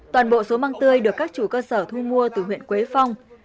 toàn bộ số măng tươi được các chủ cơ sở thu mua từ huyện quế phong